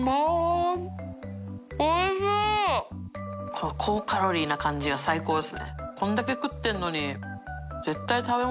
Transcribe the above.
この高カロリーな感じが最高ですね。